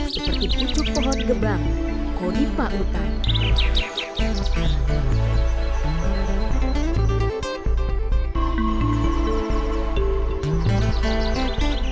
seperti pucuk pohon gebang koripa utara